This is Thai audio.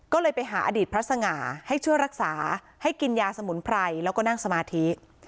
ก็เลยไปหาอดีตพระสง่าให้ช่วยรักษาให้กินยาสมุนไพรแล้วก็นั่งสมาธิ